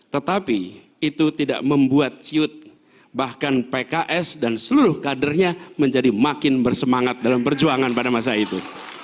tetapi itu tidak membuat ciut bahkan pks dan seluruh kadernya menjadi makin bersemangat dalam perjuangan pada masa itu